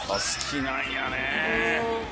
好きなんやね。